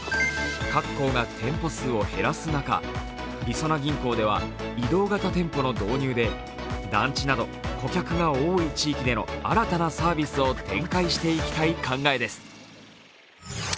各行が店舗数を減らす中、りそな銀行では移動型店舗の導入で団地など、顧客が多い地域での新たなサービスを展開していきたい考えです。